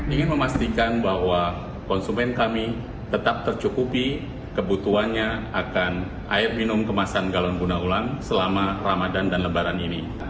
ingin memastikan bahwa konsumen kami tetap tercukupi kebutuhannya akan air minum kemasan galon guna ulang selama ramadan dan lebaran ini